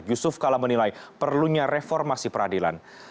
yusuf kala menilai perlunya reformasi peradilan